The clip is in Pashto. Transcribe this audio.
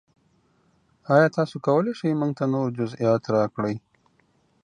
ایا تاسو کولی شئ ما ته نور جزئیات راکړئ؟